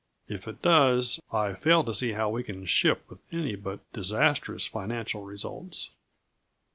If it does, I fail to see how we can ship with any but disastrous financial results."